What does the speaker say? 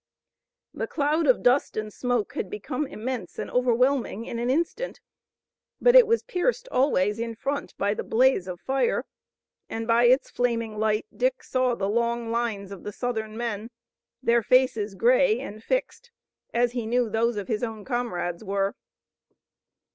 The cloud of dust and smoke had become immense and overwhelming in an instant, but it was pierced always in front by the blaze of fire, and by its flaming light Dick saw the long lines of the Southern men, their faces gray and fixed, as he knew those of his own comrades were.